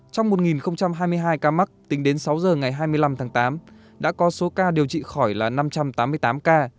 trong một hai mươi hai ca mắc tính đến sáu giờ ngày hai mươi năm tháng tám đã có số ca điều trị khỏi là năm trăm tám mươi tám ca